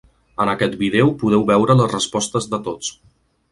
En aquest vídeo podeu veure les respostes de tots.